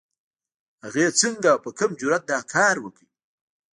هغې څنګه او په کوم جرئت دا کار وکړ؟